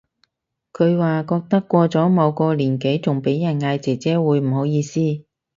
佢話覺得過咗某個年紀仲俾人嗌姐姐會唔好意思